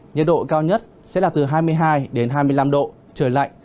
nhiệt độ cao nhất sẽ là từ hai mươi hai đến hai mươi năm độ trời lạnh